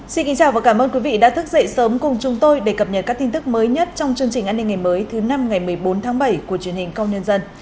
xin kính chào và cảm ơn quý vị đã thức dậy sớm cùng chúng tôi để cập nhật các tin tức mới nhất trong chương trình an ninh ngày mới thứ năm ngày một mươi bốn tháng bảy của truyền hình công nhân